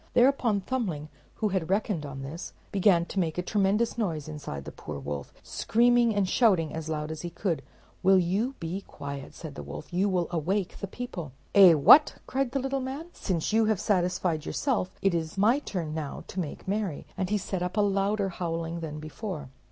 Thereupon Thumbling, who had reckoned on this, began to make a tremendous noise inside the poor wolf, screaming and shouting as loud as he could. "Will you be quiet?" said the wolf; "you will awake the people." "Eh, what!" cried the little man, "since you have satisfied yourself, it is my turn now to make merry;" and he set up a louder howling than before.